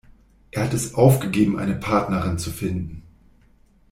Er hat es aufgegeben, eine Partnerin zu finden.